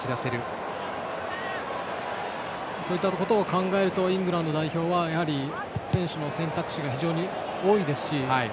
そういったことを考えるとイングランド代表はやはり、選手の選択肢が非常に多いですし。